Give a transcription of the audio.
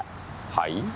はい？